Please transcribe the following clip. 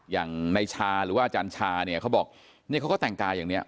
อย่างในชาหรือว่าอาจารย์ชาเนี่ยเขาบอกเนี่ยเขาก็แต่งกายอย่างนี้